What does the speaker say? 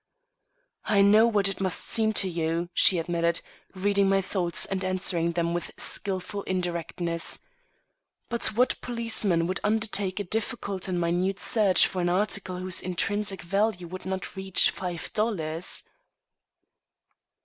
"I know that it must seem so to you," she admitted, reading my thoughts and answering them with skilful indirectness. "But what policeman would undertake a difficult and minute search for an article whose intrinsic value would not reach five dollars?"